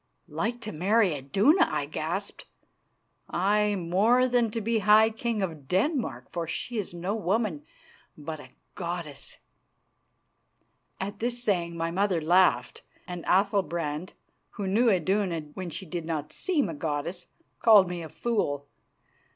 "Like to marry Iduna?" I gasped. "Aye, more than to be High King of Denmark, for she is no woman, but a goddess." At this saying my mother laughed, and Athalbrand, who knew Iduna when she did not seem a goddess, called me a fool.